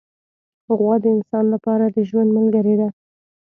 غوا د انسان لپاره د ژوند ملګرې ده.